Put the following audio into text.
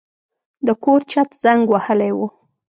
د کور چت زنګ وهلی و.